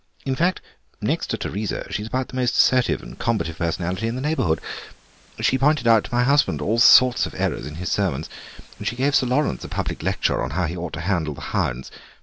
In fact, next to Teresa, she's about the most assertive and combative personality in the neighbourhood. She's pointed out to my husband all sorts of errors in his sermons, and she gave Sir Laurence a public lecture on how he ought to handle the hounds.